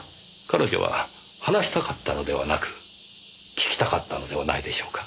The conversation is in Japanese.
彼女は話したかったのではなく聞きたかったのではないでしょうか。